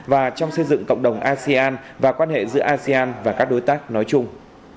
và trong xây dựng cộng đồng asean và quan hệ giữa asean và các đối tác nói chung